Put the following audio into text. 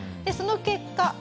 その結果